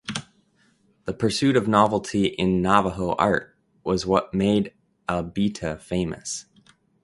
The pursuit of novelty in Navajo art was what made Abeita famous.